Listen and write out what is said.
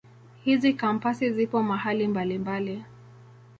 Hizi Kampasi zipo mahali mbalimbali.